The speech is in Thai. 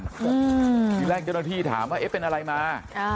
ทีแรกเจ้าหน้าที่ถามว่าเอ๊ะเป็นอะไรมา